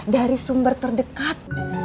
dari sumber terdekat